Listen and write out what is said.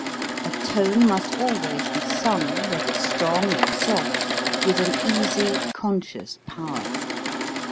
A tone must always be sung, whether strong or soft, with an easy, conscious power.